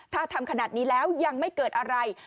ถ้าทำขนาดนี้แล้วยังไม่เกิดอะไร